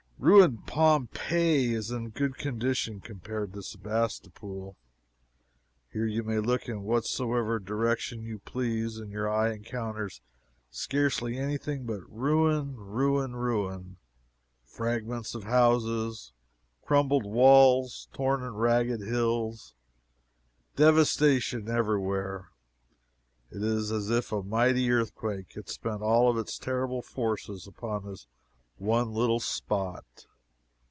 Ruined Pompeii is in good condition compared to Sebastopol. Here, you may look in whatsoever direction you please, and your eye encounters scarcely any thing but ruin, ruin, ruin! fragments of houses, crumbled walls, torn and ragged hills, devastation every where! It is as if a mighty earthquake had spent all its terrible forces upon this one little spot.